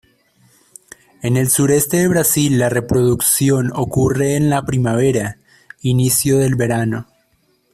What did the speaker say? En el sureste de Brasil la reproducción ocurre en la primavera, inicio del verano.